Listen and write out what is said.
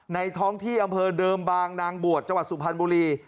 ท้องที่อำเภอเดิมบางนางบวชจังหวัดสุพรรณบุรี